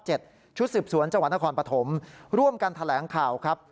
ชุดสืบสวนจังหวัดนครปฐมร่วมกันแถลงข่าวครับ